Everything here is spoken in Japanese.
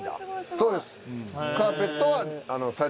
そうです。